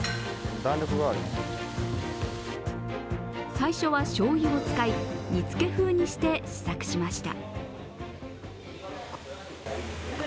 最初はしょうゆを使い、煮つけ風にして試作しました。